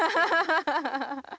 ハハハハ！